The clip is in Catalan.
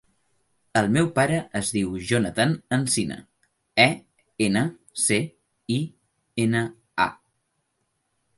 El meu pare es diu Jonathan Encina: e, ena, ce, i, ena, a.